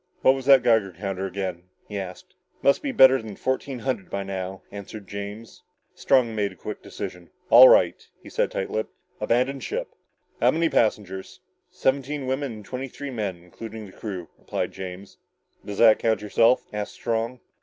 "What was that Geiger count again?" he asked. "Must be better than fourteen hundred by now," answered James. Strong made a quick decision. "All right," he said, tight lipped, "abandon ship! How many passengers?" "Seventeen women and twenty three men including the crew," replied James. "Does that include yourself?" asked Strong.